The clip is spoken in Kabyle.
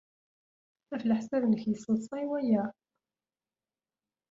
Ɣef leḥsab-nnek, yesseḍsay waya?